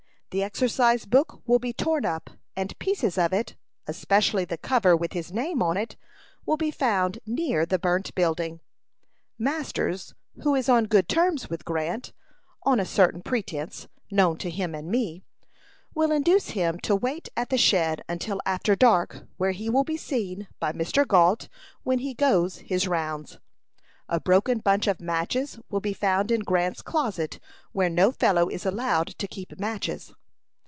The exercise book will be torn up, and pieces of it, especially the cover with his name on it, will be found near the burnt building. Masters, who is on good terms with Grant, on a certain pretence, known to him and me, will induce him to wait at the shed until after dark, where he will be seen by Mr. Gault, when he goes his rounds. A broken bunch of matches will be found in Grant's closet, where no fellow is allowed to keep matches.